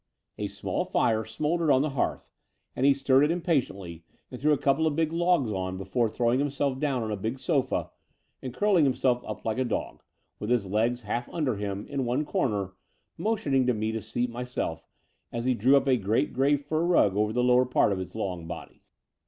A small fire smouldered on the hearth, and he stirred it impatiently and threw a couple of big i64 The Door of the Unreal logs on before throwing himself down on a big sofa and curling himself up like a dog, with his legs half under him, in one cx)mer, motioning to me to seat myself, as he drew up a great grey fur rug over the lower part of his long body.